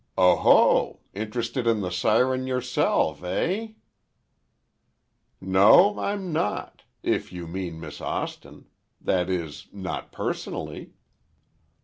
"Oho! Interested in the siren yourself, eh?" "No; I'm not—if you mean Miss Austin. That is, not personally."